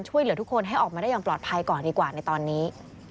ช่วยเหลือทุกคนให้ออกมาได้อย่างปลอดภัยก่อนดีกว่าในตอนนี้